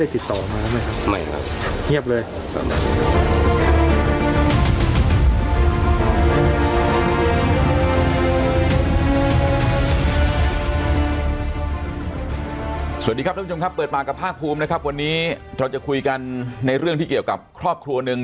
สวัสดีครับท่านผู้ชมครับเปิดปากกับภาคภูมินะครับวันนี้เราจะคุยกันในเรื่องที่เกี่ยวกับครอบครัวหนึ่ง